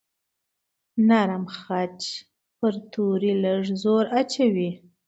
نرم خج پر توري لږ زور اچوي.